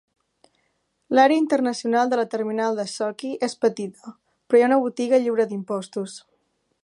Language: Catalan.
L'àrea internacional de la terminal de Sochi és petita, però hi ha una botiga lliure d'impostos.